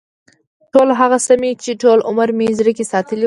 ټول هغه څه مې چې ټول عمر مې په زړه کې ساتلي و.